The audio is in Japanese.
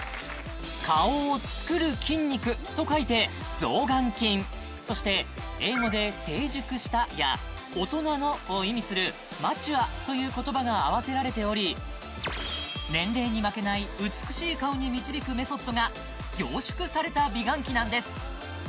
顔を造る筋肉と書いて造顔筋そして英語で「成熟した」や「大人の」を意味するマチュアという言葉が合わせられており年齢に負けない美しい顔に導くメソッドが凝縮された美顔器なんです